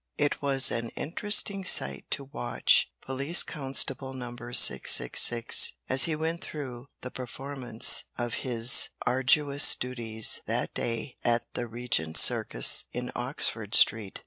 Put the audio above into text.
It was an interesting sight to watch police constable Number 666 as he went through the performance of his arduous duties that day at the Regent Circus in Oxford Street.